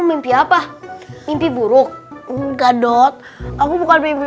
gila ini udah malem